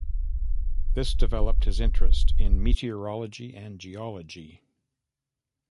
This developed his interest in meteorology and geology.